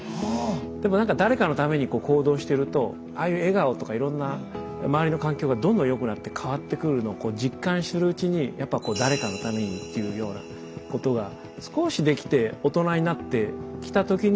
でもなんか誰かのために行動してるとああいう笑顔とかいろんな周りの環境がどんどん良くなって変わってくるのをこう実感するうちにやっぱこう誰かのためにっていうようなことが少しできて大人になってきた時に成績がこう上がり始めて。